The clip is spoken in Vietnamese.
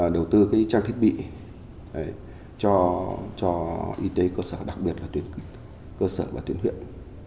đầu tư cái trang thiết bị cho y tế cơ sở đặc biệt là cơ sở và tuyển huyện